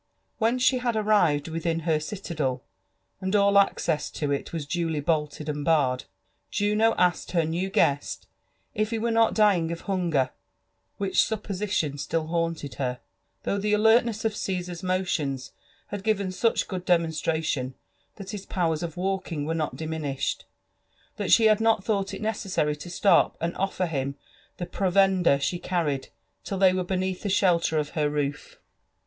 When she had arrived within her citadel, and all access to it was duly bolted and barred, Juno asked her new guest if he were not dying of hunger, which sup position still haunted her; though the alertness of Caesar's motions had given such good demonstration that his powers of walking were not diminished, that she had not thought it necessary to stop and olTer him the provender she carried till they were beneath the shelter of her roof.